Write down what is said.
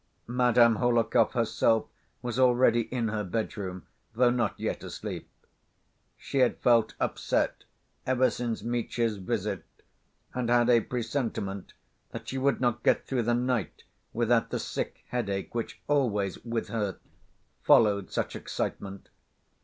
Madame Hohlakov herself was already in her bedroom, though not yet asleep. She had felt upset ever since Mitya's visit, and had a presentiment that she would not get through the night without the sick headache which always, with her, followed such excitement.